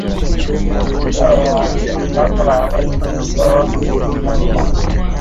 Licha ya tangazo la awali lililotolewa na jeshi la Uganda